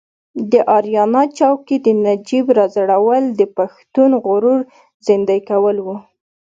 په اریانا چوک کې د نجیب راځړول د پښتون غرور زیندۍ کول و.